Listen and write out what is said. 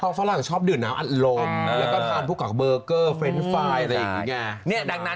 ฝรั่งชอบดื่มน้ำอัดลมแล้วก็ทานพวกกับเบอร์เกอร์เฟรนด์ไฟล์อะไรอย่างนี้ไง